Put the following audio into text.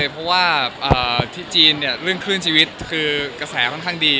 เพราะว่าในจีนเรื่องกระแสคลื่นชีวิตค่อนข้างดี